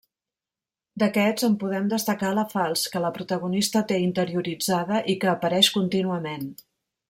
D’aquests en podem destacar la falç, que la protagonista té interioritzada i que apareix contínuament.